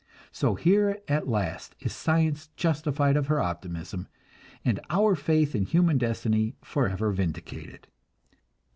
So here at last is science justified of her optimism, and our faith in human destiny forever vindicated.